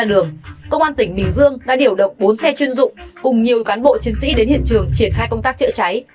công an tỉnh bình dương đã điều động bốn xe chuyên dụng cùng nhiều cán bộ chiến sĩ đến hiện trường triển khai công tác chữa cháy